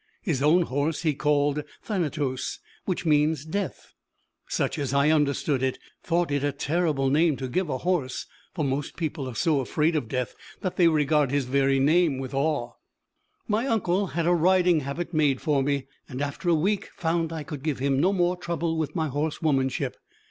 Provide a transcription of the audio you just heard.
His own horse he called Thanatos, which means Death. Such as understood it, thought it a terrible name to give a horse. For most people are so afraid of Death that they regard his very name with awe. My uncle had a riding habit made for me, and after a week found I could give him no more trouble with my horsewomanship.